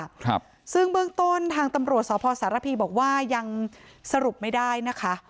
ครับซึ่งเบื้องต้นทางตำรวจสพสารพีบอกว่ายังสรุปไม่ได้นะคะ